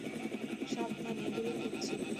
সাবধানে, এগুলো পিচ্ছিল।